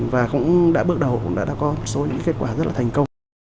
và cũng đã bước đầu cũng đã có số những kết quả rất là thành công